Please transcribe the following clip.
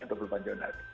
untuk berbanjir nanti